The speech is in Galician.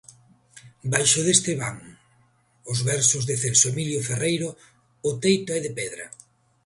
Baixo deste van, os versos de Celso Emilio Ferreiro: "O teito é de pedra".